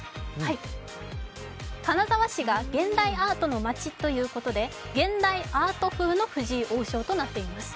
金沢市が現代アートの街ということで現代アート風の藤井王将となっています。